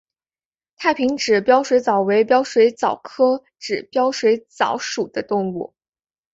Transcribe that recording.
太平指镖水蚤为镖水蚤科指镖水蚤属的动物。